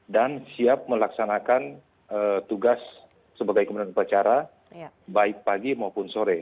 dan siap melaksanakan tugas sebagai pemenang percara baik pagi maupun sore